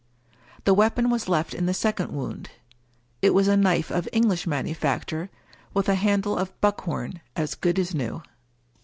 The weapon was left in the second wound. It was a knife of English manufacture, with a handle of buckhorn as good as new.